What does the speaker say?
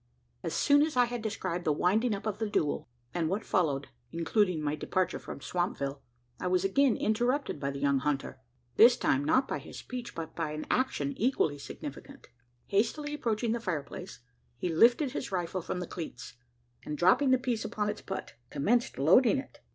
As soon as I had described the winding up of the duel, and what followed including my departure from Swampville I was again interrupted by the young hunter this time not by his speech but by an action equally significant. Hastily approaching the fireplace, he lifted his rifle from the cleets; and, dropping the piece upon its butt, commenced loading it!